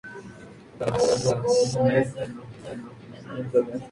Esta rematada en ático presidido por una escultura de la Virgen con el Niño.